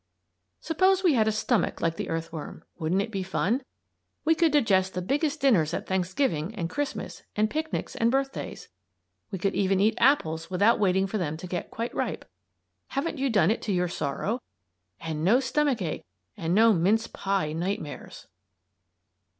Suppose we had a stomach like the earthworm, wouldn't it be fun? We could digest the biggest dinners at Thanksgiving and Christmas and picnics and birthdays. We could even eat apples without waiting for them to get quite ripe. Haven't you done it to your sorrow? And no stomachache and no mince pie nightmares!